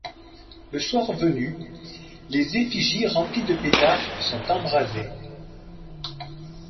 Le soir venu, les effigies remplies de pétards, sont embrasées.